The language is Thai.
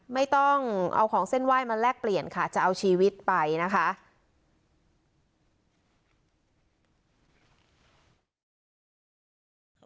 ไม่ต้องเอาของเส้นไหว้มาแลกเปลี่ยนค่ะจะเอาชีวิตไปนะคะ